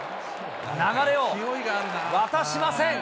流れを渡しません。